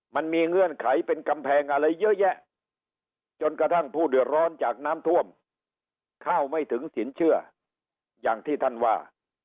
เงื่อนไขเป็นกำแพงอะไรเยอะแยะจนกระทั่งผู้เดือดร้อนจากน้ำท่วมเข้าไม่ถึงสินเชื่ออย่างที่ท่านว่า